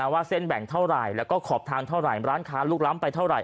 ว่าเส้นแบ่งเท่าไหร่แล้วก็ขอบทางเท่าไหร่ร้านค้าลุกล้ำไปเท่าไห